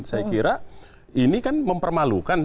saya kira ini kan mempermalukan